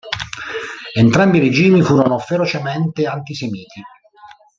Entrambi i regimi furono ferocemente antisemiti.